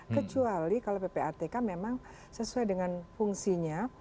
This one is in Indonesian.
kecuali kalau ppatk memang sesuai dengan fungsinya